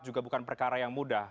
juga bukan perkara yang mudah